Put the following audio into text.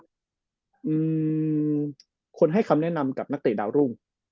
อืมคนให้คำแนะนำกับนักเตะดาวรุ่ง